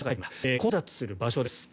混雑する場所です。